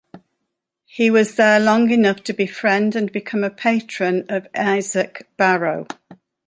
He was there long enough to befriend and become a patron of Isaac Barrow.